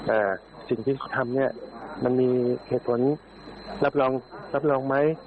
แต่สิ่งที่เขาทำเนี้ยมันมีเหตุผลรับรองรับรองไหม